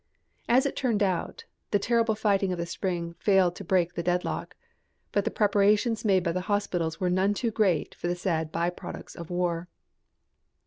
As it turned out, the terrible fighting of the spring failed to break the deadlock, but the preparations made by the hospitals were none too great for the sad by products of war.